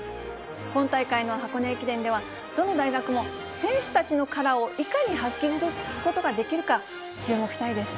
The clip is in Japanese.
今大会の箱根駅伝では、どの大学も選手たちのカラーを発揮できるか、注目したいです。